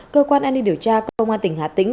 cơ quan an ninh điều tra công an tỉnh hà tĩnh